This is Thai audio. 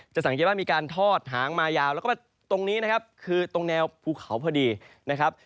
สังเกตว่ามีการทอดหางมายาวแล้วก็ตรงนี้นะครับคือตรงแนวภูเขาพอดีนะครับ